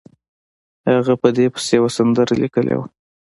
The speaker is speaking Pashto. هغه په دې پسې یوه سندره لیکلې وه.